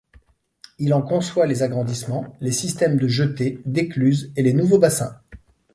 Il en conçoit les agrandissements, les systèmes de jetées, d'écluses et les nouveaux bassins.